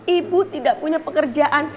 ibu tidak punya pekerjaan